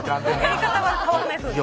やり方は変わらないそうです。